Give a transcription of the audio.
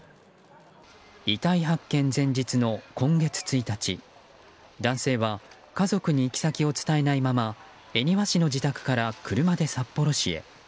遺体発見前日の今月１日男性は家族に行き先を伝えないまま恵庭市の自宅から車で札幌市へ。